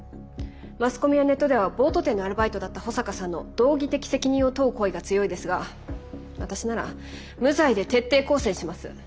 マスコミやネットではボート店のアルバイトだった保坂さんの道義的責任を問う声が強いですが私なら無罪で徹底抗戦します。